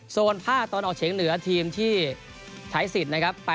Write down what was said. ส่วนภาคตะวันออกเฉียงเหนือทีมที่ใช้สิทธิ์นะครับ